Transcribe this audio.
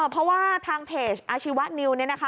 เพราะว่าทางเพจอาชีวะนิวเนี่ยนะคะ